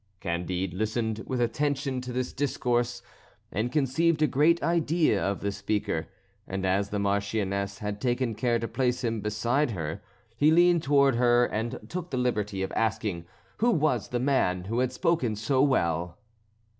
Candide listened with attention to this discourse, and conceived a great idea of the speaker, and as the Marchioness had taken care to place him beside her, he leaned towards her and took the liberty of asking who was the man who had spoken so well.